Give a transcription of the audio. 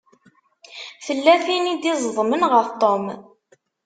Tella tin i d-iẓeḍmen ɣef Tom.